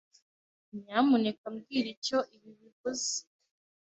Nyamuneka mbwira icyo ibi bivuze?